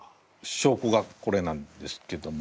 しょうこがこれなんですけども。